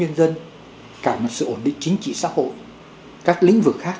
nhiều nhân dân cả về sự ổn định chính trị xã hội các lĩnh vực khác